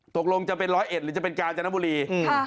ตกลงจะเป็นร้อยเอ็ดหรือจะเป็นกาญจนบุรี